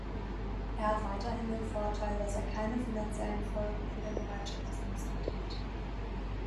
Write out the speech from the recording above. Er hat weiterhin den Vorteil, dass er keine finanziellen Folgen für den Gemeinschaftshaushalt hat.